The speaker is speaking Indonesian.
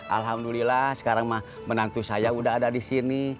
alhamdulillah sekarang menantu saya udah ada disini